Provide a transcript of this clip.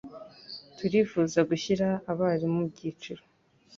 turifuza gushyira abarimu mu byiciro